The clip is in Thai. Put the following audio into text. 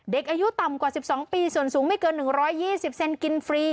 เด็กอายุต่ำกว่าสิบสองปีส่วนสูงไม่เกินหนึ่งร้อยยี่สิบเซ็นต์กินฟรี